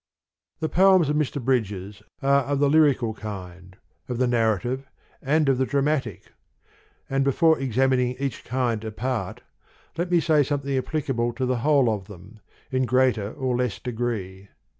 The poems of Mr. Bridges are of the lyrical kind, of the narrative, and of the dramatic : and before examining each kind apart, let me say something applicable to the whole of them, in greater or less degree.